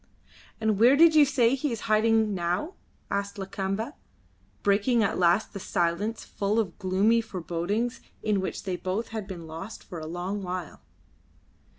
"And where did you say he is hiding now?" asked Lakamba, breaking at last the silence full of gloomy forebodings in which they both had been lost for a long while.